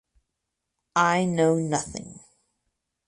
I know nothing.